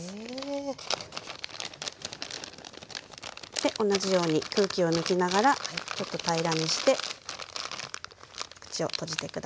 で同じように空気を抜きながらちょっと平らにして口を閉じて下さい。